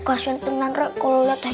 kasihan tenang recallit angry